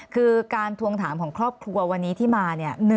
คือการทวงถามของครอบครัววันนี้ที่มาเนี่ย